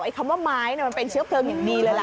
คำว่าไม้มันเป็นเชื้อเพลิงอย่างดีเลยล่ะ